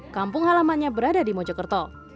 kampung halamannya berada di mojokerto